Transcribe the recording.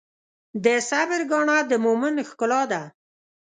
د صبر ګاڼه د مؤمن ښکلا ده.